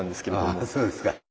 ああそうですか。